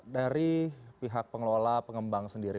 dari pihak pengelola pengembang sendiri